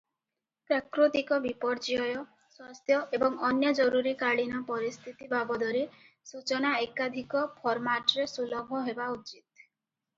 ପ୍ରାକୃତିକ ବିପର୍ଯ୍ୟୟ, ସ୍ୱାସ୍ଥ୍ୟ ଏବଂ ଅନ୍ୟ ଜରୁରୀକାଳୀନ ପରିସ୍ଥିତି ବାବଦରେ ସୂଚନା ଏକାଧିକ ଫର୍ମାଟରେ ସୁଲଭ ହେବା ଉଚିତ ।